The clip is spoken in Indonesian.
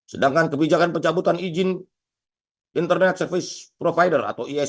sedangkan kebijakan pencabutan izin internet service provider